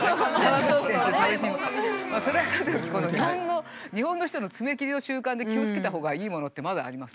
まあそれはさておきこの日本の人のツメ切りの習慣で気をつけたほうがいいものってまだあります。